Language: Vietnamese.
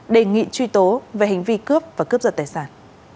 đề nghị truy tố về hành vi cướp và cướp giật tài sản